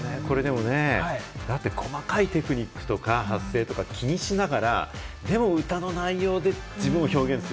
細かいテクニックとか発声とかを気にしながら、でも歌の内容で自分を表現する。